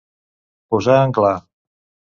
Posar en clar.